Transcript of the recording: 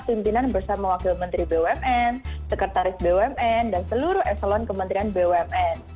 pimpinan bersama wakil menteri bumn sekretaris bumn dan seluruh eselon kementerian bumn